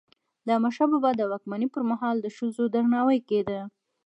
د احمدشاه بابا د واکمني پر مهال د ښځو درناوی کيده.